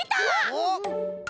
おっ！